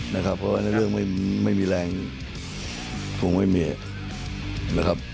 เพราะว่าในเรื่องไม่มีแรงคงไม่มีนะครับ